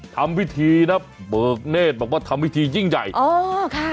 ทำพิธีนะเบิกเนธบอกว่าทำพิธียิ่งใหญ่อ๋อค่ะ